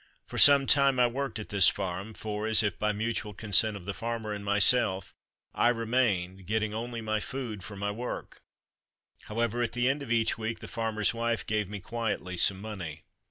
For some time I worked at this farm, for, as if by mutual consent of the farmer and myself, I remained, getting only my food for my work; however, at the end of each week the farmer's wife gave me quietly some money.